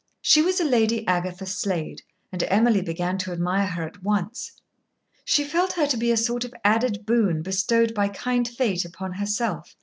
She was a Lady Agatha Slade, and Emily began to admire her at once. She felt her to be a sort of added boon bestowed by kind Fate upon herself.